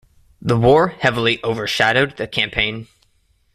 The war heavily overshadowed the campaign.